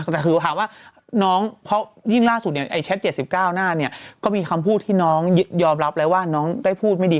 แต่คือถามว่าน้องเพราะยิ่งล่าสุดเนี่ยไอ้แชท๗๙หน้าเนี่ยก็มีคำพูดที่น้องยอมรับแล้วว่าน้องได้พูดไม่ดี